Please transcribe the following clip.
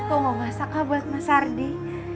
aku mau masakal buat mas ardi